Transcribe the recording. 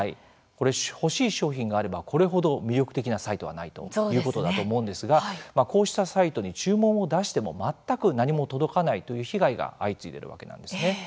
欲しい商品があればこれほど魅力的なサイトはないということだと思うんですがこうしたサイトに注文を出しても全く何も届かないという被害が相次いでいるわけなんですね。